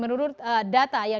menunjukkan kerjaan ked planet